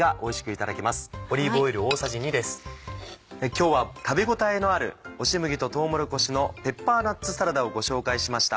今日は食べ応えのある「押し麦ととうもろこしのペッパーナッツサラダ」をご紹介しました。